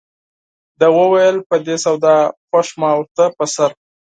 ده وویل په دې سودا خوښ ما ورته په سر.